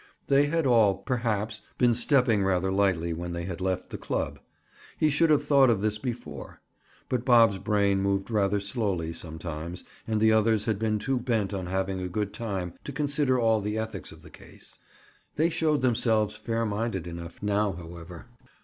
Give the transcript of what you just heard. They had all, perhaps, been stepping rather lightly when they had left the club. He should have thought of this before. But Bob's brain moved rather slowly sometimes and the others had been too bent on having a good time to consider all the ethics of the case. They showed themselves fair minded enough now, however.